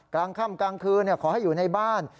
กลางค่ำกลางคืนขอให้อยู่ในบ้าน